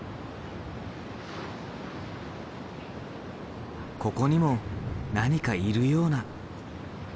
ここにも何かいるような。